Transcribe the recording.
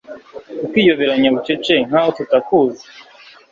ukiyoberanya bucece nkaho tutakuzi